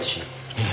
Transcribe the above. ええ。